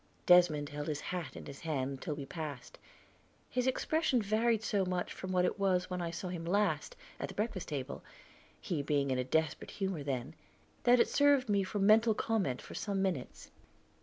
Desmond held his hat in his hand till we had passed; his expression varied so much from what it was when I saw him last, at the breakfast table, he being in a desperate humor then, that it served me for mental comment for some minutes.